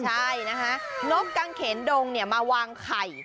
ใช่นะคะนกกางเขนดงมาวางไข่